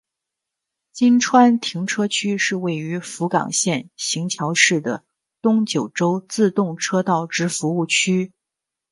今川停车区是位于福冈县行桥市的东九州自动车道之服务区。